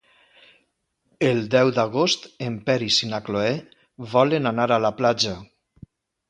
El deu d'agost en Peris i na Cloè volen anar a la platja.